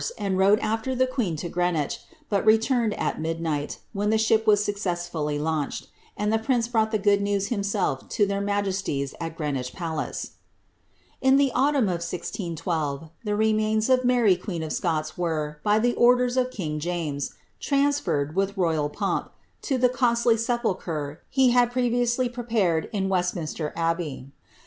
and rode after the quee h bu rned at midnight, when the ship vias succe/f flfljr dirtiouU ANUS OF DBNMAKK. hunched, and the prince brought the good news himself to their maje ties at Greenwich Palace. In the autumn of 1612, the remains of Mary queen of Scots were, by the orders of king James, transferred, with royal pomp, to the costly nepulchre he had previously prepared in Westminster Abbey.